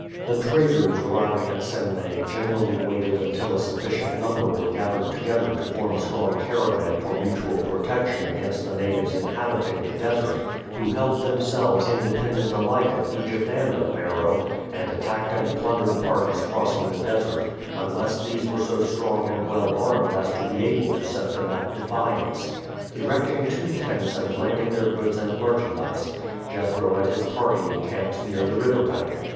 The traders arriving at Semneh generally waited until a sufficient number were gathered together to form a strong caravan for mutual protection against the natives inhabiting the desert, who held themselves independent alike of Egypt and of Meroe, and attacked and plundered parties crossing the desert, unless these were so strong and well armed as to be able to set them at defiance. Erecting two tents and landing their goods and merchandise, Jethro and his party encamped near the river bank.